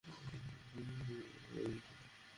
যে আমাকে বানিয়েছে সে এসেছিল।